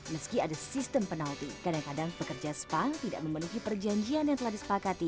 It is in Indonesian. meski ada sistem penalti kadang kadang pekerja spa tidak memenuhi perjanjian yang telah disepakati